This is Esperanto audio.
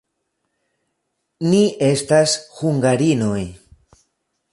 Ni estas hungarinoj.